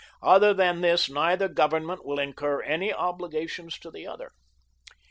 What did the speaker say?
Other than this neither government will incur any obligations to the other.